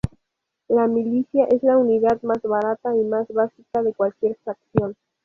La milicia es la unidad más barata y más básica de cualquier facción.